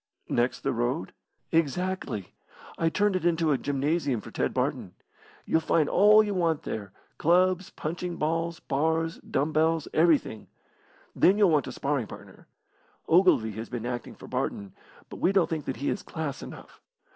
"Next the road?" "Exactly. I turned it into a gymnasium for Ted Barton. You'll find all you want there: clubs, punching ball, bars, dumb bells, everything. Then you'll want a sparring partner. Ogilvy has been acting for Barton, but we don't think that he is class enough.